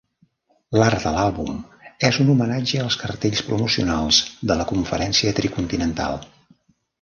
L'art de l'àlbum és un homenatge als cartells promocionals de la Conferència Tricontinental.